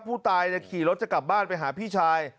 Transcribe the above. ผู้ตายขี่รถจะกลับบ้านไปหาพี่ชาย